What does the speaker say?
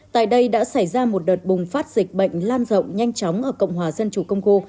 tại đây đã xảy ra một đợt bùng phát dịch bệnh lan rộng nhanh chóng ở cộng hòa dân chủ congo